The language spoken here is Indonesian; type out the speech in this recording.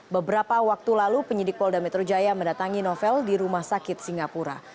beberapa waktu lalu penyidik polda metro jaya mendatangi novel di rumah sakit singapura